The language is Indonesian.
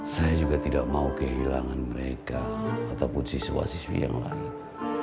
saya juga tidak mau kehilangan mereka ataupun siswa siswi yang lain